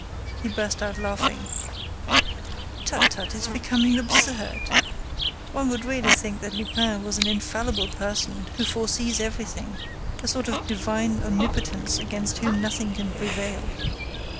He burst out laughing: "Tut, tut, I'm becoming absurd! One would really think that Lupin was an infallible person who foresees everything, a sort of divine omnipotence against whom nothing can prevail!